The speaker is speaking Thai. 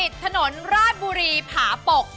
ถนนราชบุรีผาปก